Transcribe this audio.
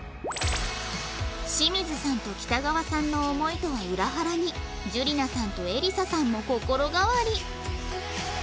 清水さんと北川さんの思いとは裏腹にじゅりなさんとえりささんも心変わり